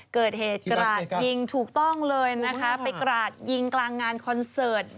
เกิดเหตุกราดยิงถูกต้องเลยนะคะไปกราดยิงกลางงานคอนเสิร์ต